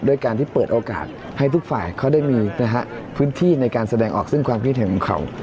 การที่เปิดโอกาสให้ทุกฝ่ายเขาได้มีพื้นที่ในการแสดงออกซึ่งความคิดเห็นของเขา